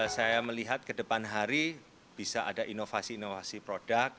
saya melihat ke depan hari bisa ada inovasi inovasi produk